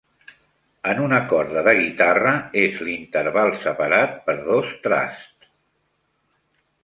En una corda de guitarra, és l'interval separat per dos trasts.